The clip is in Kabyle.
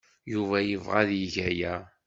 Yuba yebɣa ad yeg aya.